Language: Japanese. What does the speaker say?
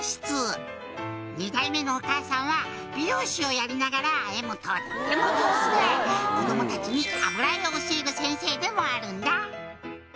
「２代目のお母さんは美容師をやりながら絵もとっても上手で子どもたちに油絵を教える先生でもあるんだ」